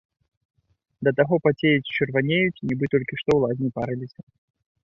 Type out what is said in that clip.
Да таго пацеюць і чырванеюць, нібы толькі што ў лазні парыліся.